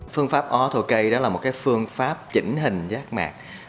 phương pháp auto k là phương pháp chỉnh hình giác mạc